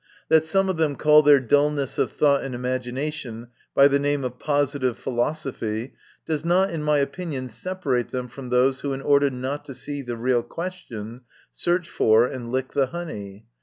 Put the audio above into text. That some of them call their dulness of thought and imagination by the name of positive philosophy, does not, in my opinion, separate them from those who, in order not to see the real question, search for and lick the honey.